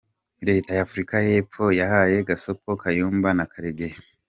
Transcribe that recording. Leta ya Afurika y’Epfo yahaye Gasopo Kayumba na Karegeya